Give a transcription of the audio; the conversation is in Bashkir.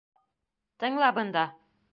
Тыңла бында!